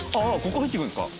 ここ入って行くんですか？